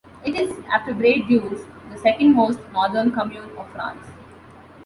It is, after Bray-Dunes, the second most northern commune of France.